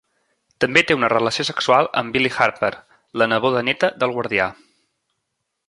També té una relació sexual amb Billi Harper, la neboda-néta del Guardià.